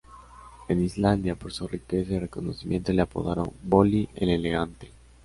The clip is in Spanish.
En Islandia, por su riqueza y reconocimiento le apodaron "Bolli el Elegante".